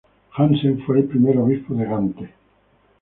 Jansen fue el primer obispo de Gante.